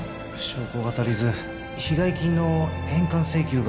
証拠が足りず被害金の返還請求が